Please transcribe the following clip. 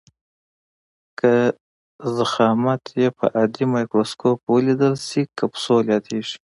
که ضخامت یې په عادي مایکروسکوپ ولیدل شي کپسول یادیږي.